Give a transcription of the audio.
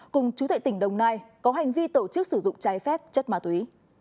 cùng chú thệ tỉnh đồng nai có hành vi tổ chức sử dụng trái phép chất ma túy